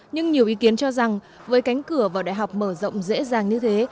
nhưng nhiều ý kiến cho rằng với cánh cửa vào đại học mở rộng dễ dàng như thế